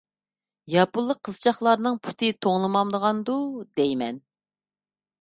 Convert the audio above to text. ياپونلۇق قىزچاقلارنىڭ پۇتى توڭلىمامدىغاندۇ دەيمەن.